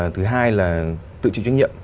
thứ hai là tự chịu trách nhiệm